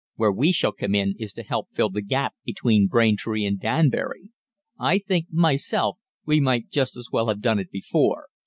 Where we shall come in is to help to fill the gap between Braintree and Danbury. I think, myself, we might just as well have done it before.